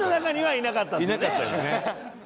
いなかったですね。